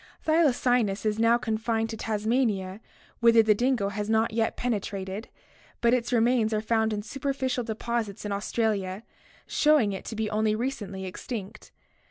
Thy lacynus is now confined to Tasmania whither the dingo has not yet penetrated, but its remains are found in superficial deposits in Australia, showing it to be only recently extinct.